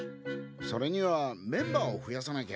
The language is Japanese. それにはメンバーを増やさなきゃ。